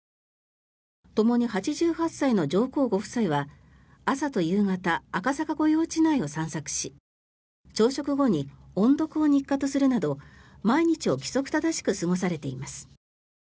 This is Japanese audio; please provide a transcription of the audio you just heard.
ともに８８歳の上皇ご夫妻は朝と夕方、赤坂御用地内を散策し朝食後に音読を日課とするなど毎日を規則正しく過ごされています。